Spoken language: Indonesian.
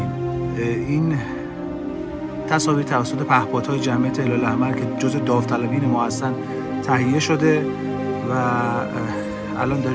dan sekarang kita melihat gambarnya di sini